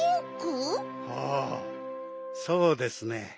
ほうそうですね。